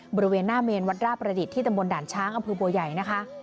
บริเวณหน้าเมนวัดราบประดิษฐ์ที่ตำบลด่านช้างอำเภอบัวใหญ่นะคะ